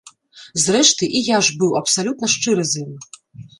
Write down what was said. Зрэшты, і я ж быў абсалютна шчыры з ім.